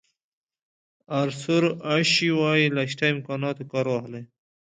آرثور اشي وایي له شته امکاناتو کار واخلئ.